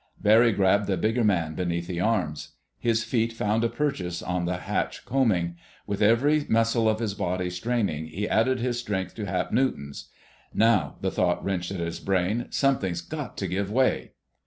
Barry grabbed the bigger man beneath the arms. His feet found a purchase on the hatch combing. With every muscle of his body straining, he added his strength to Hap Newton's. "Now," the thought wrenched at his brain, "something's got to give way!"